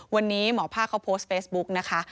วันนี้หมอภาคเขาโพสต์เฟซบุ๊กนะคะ